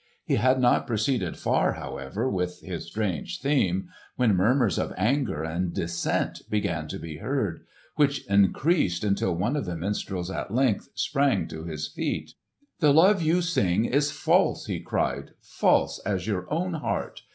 He had not proceeded far, however, with his strange theme, when murmurs of anger and dissent began to be heard, which increased until one of the minstrels at length sprang to his feet. "The love you sing is false!" he cried; "false as your own heart!